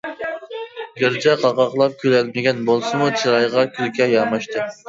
گەرچە قاقاقلاپ كۈلەلمىگەن بولسىمۇ چىرايىغا كۈلكە ياماشتى.